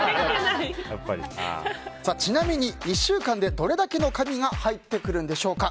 ちなみに１週間でどれくらいの紙が入ってくるんでしょうか。